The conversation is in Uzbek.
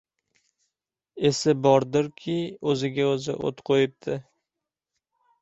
— Esi bordirki, o‘ziga o‘zi o‘t qo‘yibdi!